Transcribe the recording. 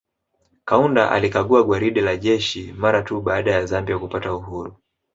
Kaunda alikagua gwaride la jeshi mara tu baada ya Zambia kupata uhuru